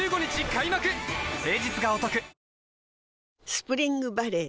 スプリングバレー